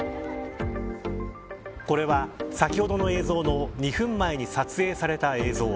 これは、先ほどの映像の２分前に撮影された映像。